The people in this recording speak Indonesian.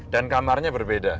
dan kamarnya berbeda